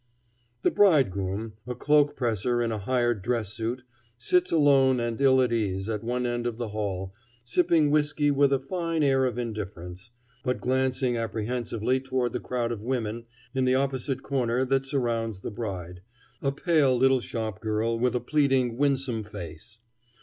The bridegroom, a cloak presser in a hired dress suit, sits alone and ill at ease at one end of the hall, sipping whisky with a fine air of indifference, but glancing apprehensively toward the crowd of women in the opposite corner that surrounds the bride, a pale little shop girl with a pleading, winsome face.